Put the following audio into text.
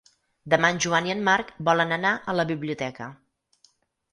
Demà en Joan i en Marc volen anar a la biblioteca.